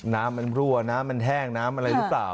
น้ำมันรั่วน้ำมันแห้งน้ำอะไรหรือเปล่า